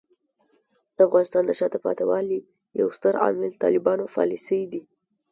د افغانستان د شاته پاتې والي یو ستر عامل طالبانو پالیسۍ دي.